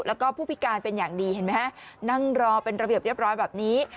แล้วก็ผู้พิการเป็นอย่างดีเห็นไหมฮะนั่งรอเป็นระเบียบเรียบร้อยแบบนี้